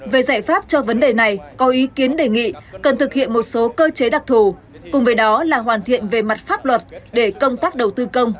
về giải pháp cho vấn đề này có ý kiến đề nghị cần thực hiện một số cơ chế đặc thù cùng với đó là hoàn thiện về mặt pháp luật để công tác đầu tư công